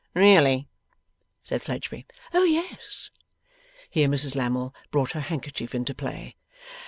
'Really?' said Fledgeby. 'O yes!' Here Mrs Lammle brought her handkerchief into play.